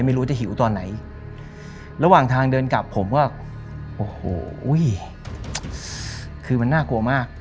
ไม่รู้จะหิวตอนไหนระหว่างทางเดินกลับผมก็โอ้โหอุ้ยคือมันน่ากลัวมาก